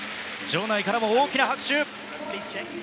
場内からも大きな拍手。